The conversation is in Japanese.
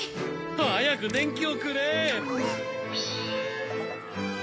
早く電気をくれ！